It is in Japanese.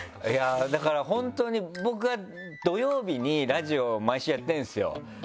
だから本当に僕は土曜日にラジオを毎週やってるんですよ。